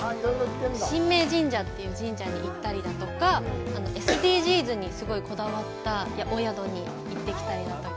神明神社という神社に行ったりだとか、ＳＤＧｓにすごいこだわったお宿に行ってきたりだとか。